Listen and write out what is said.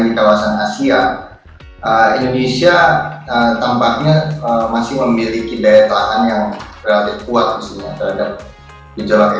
indonesia tampaknya masih memiliki daya tahan yang relatif kuat